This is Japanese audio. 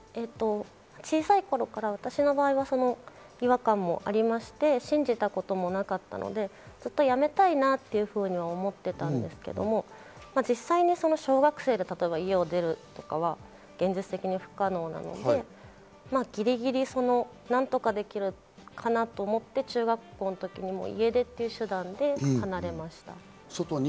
小さい頃から私の場合は違和感もありまして、信じたこともなかったので、ずっと辞めたいなと思ってたんですけど、実際に小学生で、例えば家を出るとかは現実的に不可能なので、ぎりぎり何とかできるかなと思って中学校の時に家出という手段で離れました。